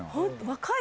若い！